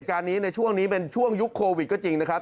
การนี้ในช่วงนี้เป็นช่วงยุคโควิดก็จริงนะครับ